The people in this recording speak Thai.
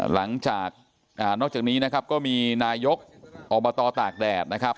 หลังจากนอกจากนี้นะครับก็มีนายกอบตตากแดดนะครับ